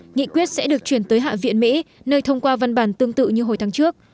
nghị quyết sẽ được chuyển tới hạ viện mỹ nơi thông qua văn bản tương tự như hồi tháng trước